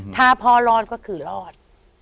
ถ้าพ่อรอดก็คือรอด